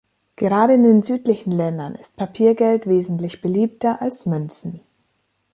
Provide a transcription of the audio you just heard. Gerade in den südlichen Ländern ist Papiergeld wesentlich beliebter als Münzen.